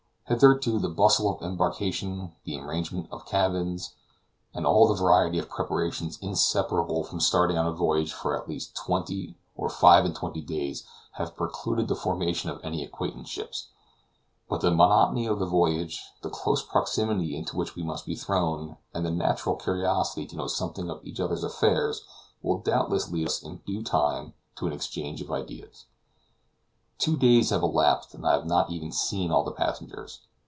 Hitherto, the bustle of embarkation, the arrangement of cabins, and all the variety of preparations inseparable from starting on a voyage for at least twenty or five and twenty days have precluded the formation of any acquaintanceships; but the monotony of the voyage, the close proximity into which we must be thrown, and the natural curiosity to know something of each other's affairs, will doubtless lead us in due time to an exchange of ideas. Two days have elapsed and I have not even seen all the passengers.